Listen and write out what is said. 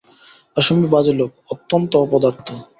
অসম্ভব বাজে লোক, অত্যন্ত অপদার্থ।